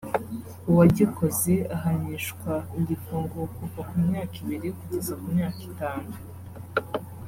uwagikoze ahanishwa igifungo kuva ku myaka ibiri kugeza ku myaka itanu